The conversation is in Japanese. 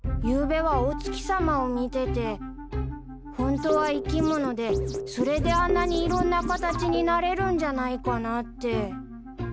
ゆうべはお月さまを見ててホントは生き物でそれであんなにいろんな形になれるんじゃないかなって。